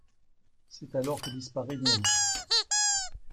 C'est alors que disparaît Neri.